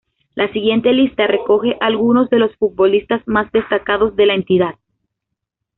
La siguiente lista recoge algunos de los futbolistas más destacados de la entidad.